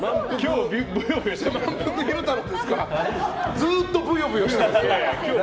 ずっとぶよぶよしてます。